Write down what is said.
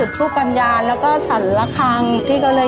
การที่บูชาเทพสามองค์มันทำให้ร้านประสบความสำเร็จ